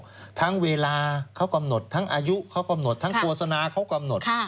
เพราะทั้งเวลาเขากำหนดทั้งอายุเขากำหนดทั้งโฆษณาเขากำหนด